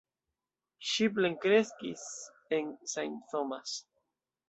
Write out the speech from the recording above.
Ŝi plenkreskis en St. Thomas.